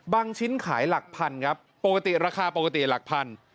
ชิ้นขายหลักพันครับปกติราคาปกติหลักพัน